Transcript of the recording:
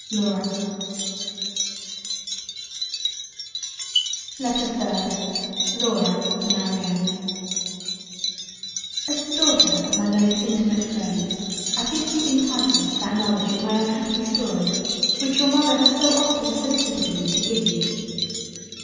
Laura LETTER 3rd LAURA to MARIANNE As the Daughter of my most intimate freind I think you entitled to that knowledge of my unhappy story, which your Mother has so often solicited me to give you.